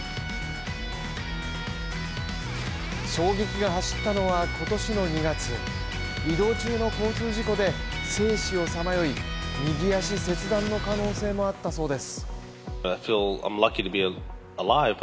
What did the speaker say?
衝撃が走ったのは今年の２月、移動中の交通事故で生死をさまよい、右足切断の可能性もあったそうです。